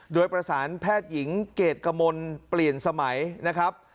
โดยประสานแพทยิงเกรตกมลปรีศสมัยนะครับ